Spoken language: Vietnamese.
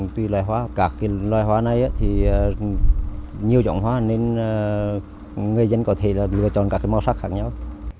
tuy loài hoa các loài hoa này thì nhiều trồng hoa nên người dân có thể lựa chọn các màu sắc khác nhau